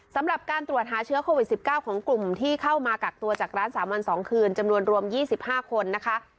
สำหรับการตรวจหาเชื้อโควิด๑๙ของกลุ่มที่เข้ามากักตัวจากร้าน๓วัน๒คืนจำนวนรวม๒๕คนนะคะ